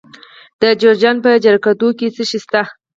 د جوزجان په جرقدوق کې څه شی شته؟